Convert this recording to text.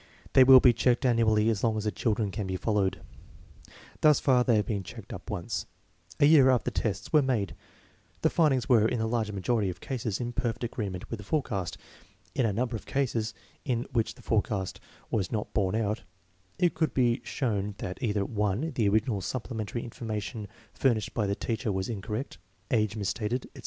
They will be checked annually as long as the children can be followed. Thus far they have been checked up once, a year after the tests were made. The findings were in the large majority of cases in perfect agreement with the forecast. In a number of cases in which the forecast was not borne out, it could be shown that either: (1) the original supplementary information fur DIFFERENCES IN FIRST GRADE CHILDREN 63 nished by the teacher was incorrect (age misstated, etc.)